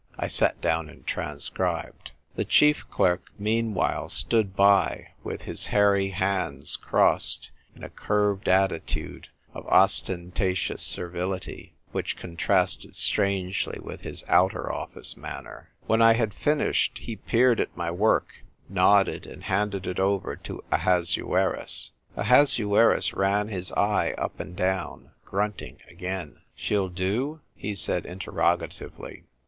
I sat down and transcribed. The chief clerk meanwhile stood by, with his hairy hands crossed in a curved attitude of ostentatious servility, which contrasted strangely with his Outer Office manner. When I had finished, he peered at my work, nodded, and handed it over to Ahasuerus. Ahasuerus ran his eye up and down, grunt ing again. " She'll do ?" he said interroga tively. THE STRUGGLE FOR LIFE.